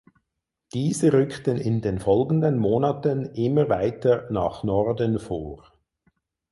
Diese rückten in den folgenden Monaten immer weiter nach Norden vor.